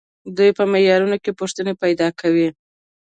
دوی په معیارونو کې پوښتنې پیدا کوي.